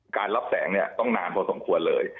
การรับแสงเนี่ยต้องนานพอสมควรเลย